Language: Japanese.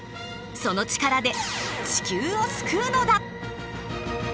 そのチカラで地球を救うのだ！